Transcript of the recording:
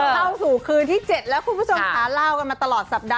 เข้าสู่คืนที่๗แล้วคุณผู้ชมค่ะเล่ากันมาตลอดสัปดาห